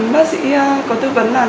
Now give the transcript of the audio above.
bác sĩ có tư vấn là